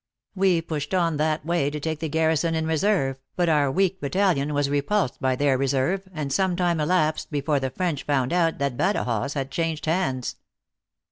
We pushed on that way to take the garrison in reserve, but our weak battalion was repulsed by their reserve, and some time elapsed before the French found out that Badajoz had changed hands."